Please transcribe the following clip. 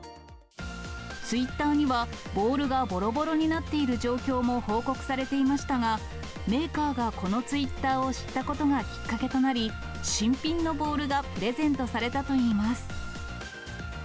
ツイッターにはボールがぼろぼろになっている状況も報告されていましたが、メーカーがこのツイッターを知ったことがきっかけとなり、新品のボールがプレゼントされたといいます。